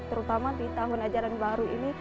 terutama di tahun ajaran baru ini